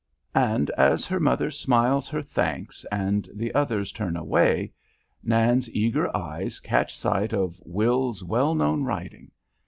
And as her mother smiles her thanks and the others turn away, Nan's eager eyes catch sight of Will's well known writing.